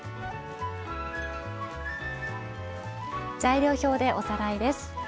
材料表でおさらいです。